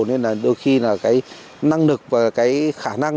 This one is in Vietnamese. nên là đôi khi là cái năng lực và cái khả năng